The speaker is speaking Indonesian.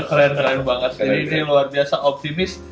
keren banget ini luar biasa optimis